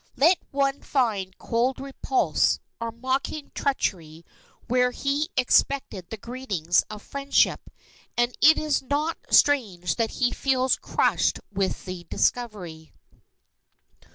Let one find cold repulse or mocking treachery where he expected the greeting of friendship, and it is not strange that he feels crushed with the discovery.